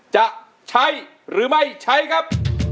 จะใช้หรือไม่ใช้ครับ